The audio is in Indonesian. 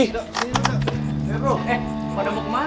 eh pada mau kemana